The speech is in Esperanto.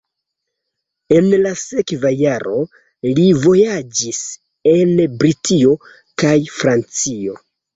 En la sekva jaro li vojaĝis en Britio kaj Francio.